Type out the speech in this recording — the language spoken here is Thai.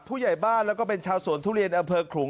ผู้ใหญ่บ้านแล้วก็เป็นชาวสวนทุเรียนอำเภอขลุง